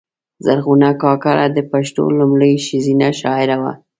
زرغونه کاکړه د پښتو لومړۍ ښځینه شاعره وه